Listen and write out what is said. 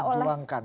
tidak terbela oleh